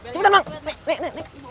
cepetan bang nek nek